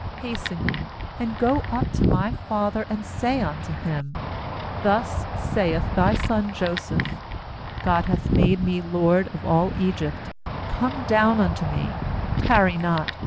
^Hasten ye, and go up to my father, and say unto him: son Joseph: God Thus saith thy hath made me lord of all Egypt; come down unto me, tarry not.